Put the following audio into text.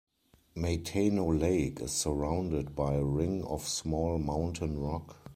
Matano Lake is surrounded by ring of small mountain rock.